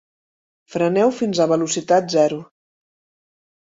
Freneu fins a velocitat zero.